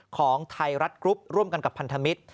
ของไทยรัฐกรุ๊ปร่วมกันกับพันธมิตร